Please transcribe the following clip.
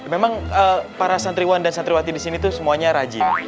memang para santriwan dan santriwati di sini itu semuanya rajin